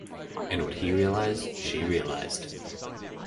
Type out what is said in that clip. And what he realised, she realised.